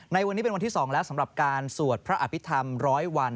ในวันนี้เป็นวันที่๒แล้วสำหรับการสวดพระอภิษฐรรม๑๐๐วัน